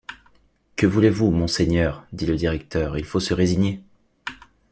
Que voulez-vous, monseigneur? dit le directeur, il faut se résigner.